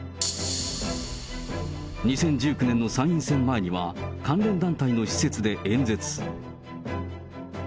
２０１９年の参院選前には、関連団体の施設で演説。